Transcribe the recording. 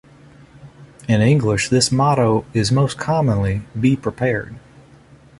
In English, this motto is most commonly Be Prepared.